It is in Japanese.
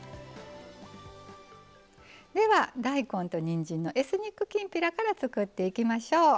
では、大根とにんじんのエスニックきんぴらを使っていただきましょう。